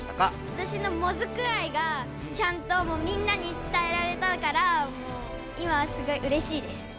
わたしのもずく愛がちゃんとみんなにつたえられたから今はすごいうれしいです。